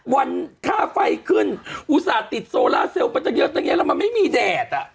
วันค่าไฟขึ้นอุตส่าห์ติดโซล่าเซลล์ไปเยอะแล้วมันไม่มีแดด